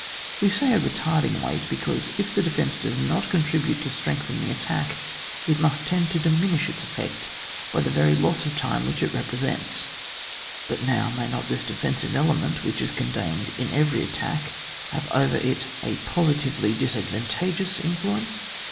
We say : a re^ tarding weight, because if the defence does not contribute to strengthen the attack, it must tend to diminish its effect by the very loss of time which it repre sents. But now, may not this defensive element, which is contained in eveiy attack, have over it a positively disadvan tageous influence?